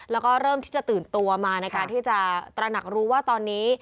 แล้วก็เริ่มที่จะตื่นตัวมาในการที่จะตระหนักรู้ว่าตอนนี้